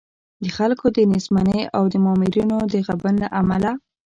د خلکو د نېستمنۍ او د مامورینو د غبن له امله.